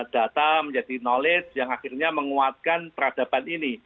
data menjadi knowledge yang akhirnya menguatkan peradaban ini